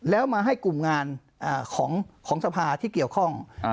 แล้วมาให้กลุ่มงานของสภาที่เกี่ยวข้อง